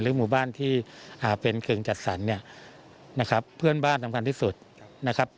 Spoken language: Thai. หมู่บ้านที่เป็นกึ่งจัดสรรเนี่ยนะครับเพื่อนบ้านสำคัญที่สุดนะครับ